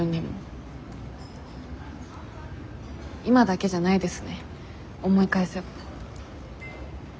今だけじゃないですね思い返せば。